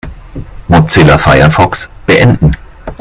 Mozilla Firefox beenden.